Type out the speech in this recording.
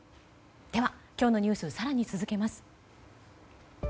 では、今日のニュース更に続けます。